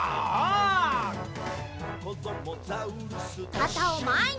かたをまえに！